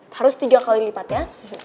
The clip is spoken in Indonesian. harus tiga kali lipat ya